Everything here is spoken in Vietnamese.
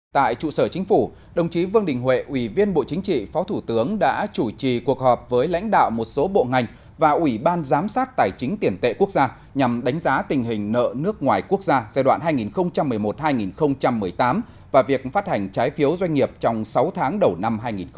tại trụ sở chính phủ đồng chí vương đình huệ ủy viên bộ chính trị phó thủ tướng đã chủ trì cuộc họp với lãnh đạo một số bộ ngành và ủy ban giám sát tài chính tiền tệ quốc gia nhằm đánh giá tình hình nợ nước ngoài quốc gia giai đoạn hai nghìn một mươi một hai nghìn một mươi tám và việc phát hành trái phiếu doanh nghiệp trong sáu tháng đầu năm hai nghìn một mươi chín